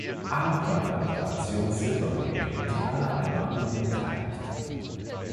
A war an der Operation Silver Wake in Tirana, Albanien, beteiligt.